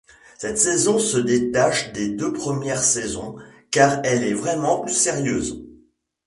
Cette saison se détache des deux premières saisons, car elle est vraiment plus sérieuse.